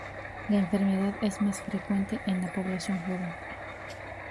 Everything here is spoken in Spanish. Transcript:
La enfermedad es más frecuente en la población joven.